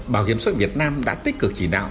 bảo hiểm xã hội việt nam đã tích cực chỉ đạo